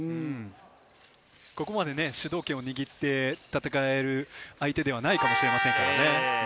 ここまで主導権を握って戦える相手ではないかもしれませんからね。